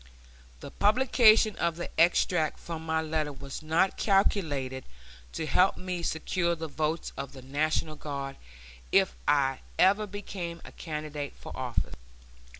The publication of the extract from my letter was not calculated to help me secure the votes of the National Guard if I ever became a candidate for office.